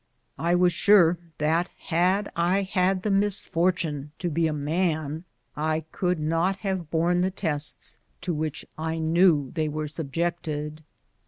I was sure that had I had the misfortune to be a man I could not have borne the tests to which I knew they were subjected.